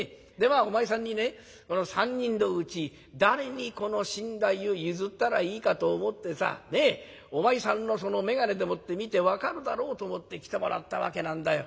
あお前さんにねこの３人のうち誰にこの身代を譲ったらいいかと思ってさお前さんのその眼鏡でもって見て分かるだろうと思って来てもらったわけなんだよ。